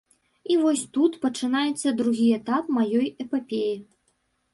І вось тут пачынаецца другі этап маёй эпапеі.